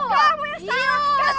kamu yang salah